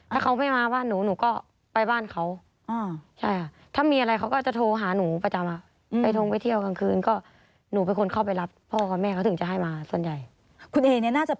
ถ้าเขาไม่มาบ้านหนูหนูก็ไปบ้านเขาใช่ค่ะ